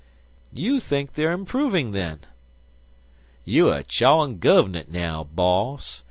"You think they are improving, then?" "You er chawin' guv'nment now, boss.